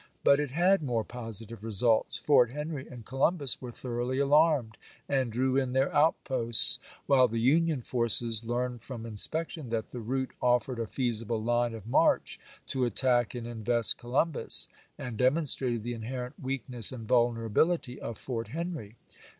But it had more positive results. Fort Henry and Columbus were thoroughly alarmed, and drew in their outposts, while the Union forces learned from inspection that the route offered a feasible line of march to attack and invest Colum bus, and demonstrated the inherent weakness and vulnerability of Fort Henry.